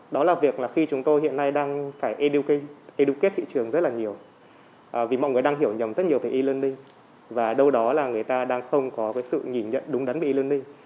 đó là việc khi chúng tôi hiện nay đang phải educate thị trường rất là nhiều vì mọi người đang hiểu nhầm rất nhiều về e learning và đâu đó là người ta đang không có sự nhìn nhận đúng đắn về e learning